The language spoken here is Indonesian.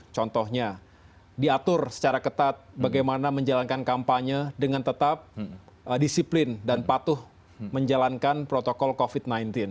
contohnya diatur secara ketat bagaimana menjalankan kampanye dengan tetap disiplin dan patuh menjalankan protokol covid sembilan belas